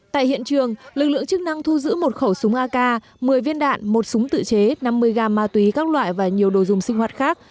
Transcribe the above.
tại hiện trường lực lượng chức năng thu giữ một khẩu súng ak một mươi viên đạn một súng tự chế năm mươi gam ma túy các loại và nhiều đồ dùng sinh hoạt khác